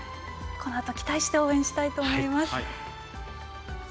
このあと期待して応援したいと思います。